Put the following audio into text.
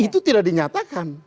itu tidak dinyatakan